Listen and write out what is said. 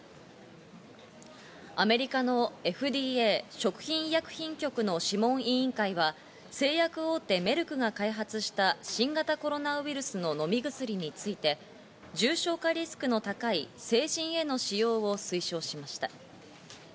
アメリカのＦＤＡ＝食品医薬品局の諮問委員会は製薬大手メルクが開発した新型コロナウイルスの飲み薬について、重症化リスクの高い成人への使用を推奨しました。